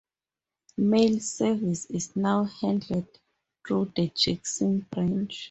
Mail service is now handled through the Jackson branch.